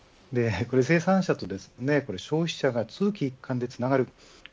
生産者と消費者が一気通貫でつながる。